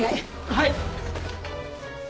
はい！